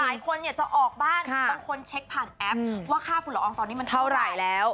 หลายคนอยากจะออกบ้านบางคนเช็คผ่านแอปว่าค่าฝุ่นละอองตอนนี้มันเท่าไหร่แล้ว